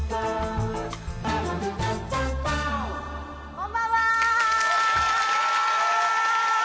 こんばんは！